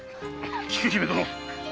菊姫殿！